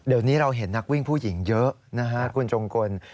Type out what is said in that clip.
เดี๋ยวนี้เราเห็นนักวิ่งผู้หญิงเยอะนะฮะคุณจงกล